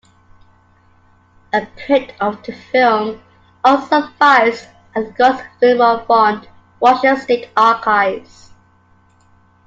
A print of the film also survives at Gosfilmofond Russian State Archives.